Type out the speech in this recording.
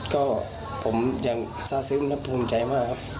ก็ผมยังทราบซึ้งและภูมิใจมากครับ